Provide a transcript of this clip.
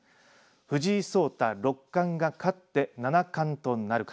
藤井聡太六冠が勝って七冠となるか。